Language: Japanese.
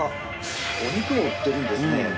お肉も売ってるんですね。